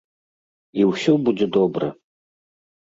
І ўсё будзе добра.